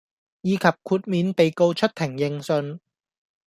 以及豁免被告出庭應訊